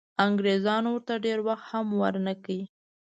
انګریزانو ورته ډېر وخت هم ورنه کړ.